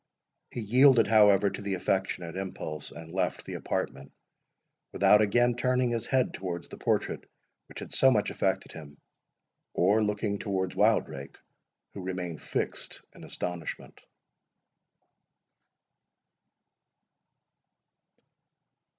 He yielded, however, to the affectionate impulse, and left the apartment, without again turning his head towards the portrait which had so much affected him, or looking towards Wildrake, who remained fixed in astonishment.